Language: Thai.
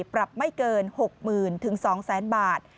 ปรับไม่เกิน๖๐๐๐๒๐๐๐๐บาท